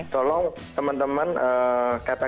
tolong teman teman kata kata